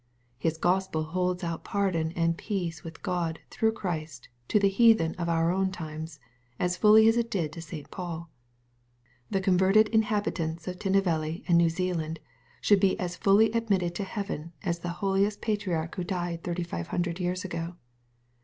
His Gospel holds out pardon and peace with God through Christ to the heathen of our own times, as fully as it did to St. Paul. The converted inhabitants of Tinnevelly and New Zealand shall be as fully admitted to heaven as the holiest patriarch who died 3500 years ago.